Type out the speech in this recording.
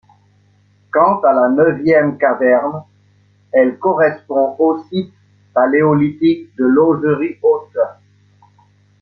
Quant à la Neuvième Caverne, elle correspond au site paléolithique de Laugerie-Haute.